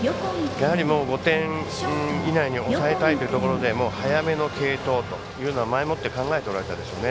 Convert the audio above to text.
やはり、５点以内に抑えたいというところで早めの継投というというのは前もって考えておられたでしょうね。